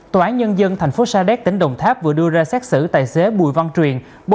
tòa án nhân dân tp sadec tỉnh đồng tháp vừa đưa ra xác xử tài xế bùi văn truyền